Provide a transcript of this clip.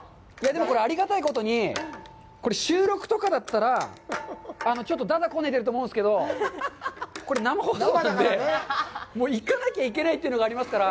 でも、これ、ありがたいことに、これ収録とかだったら、ちょっとだだこねてると思うんですけど、これ、生放送なんで、行かないといけないというのがありますから。